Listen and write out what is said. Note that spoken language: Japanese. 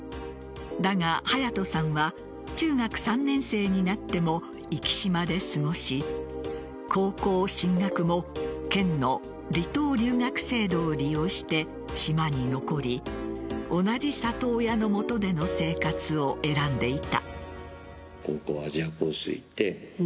だが、隼都さんは中学３年生になっても壱岐島で過ごし高校進学も県の離島留学制度を利用して島に残り同じ里親のもとでの生活を選んでいた。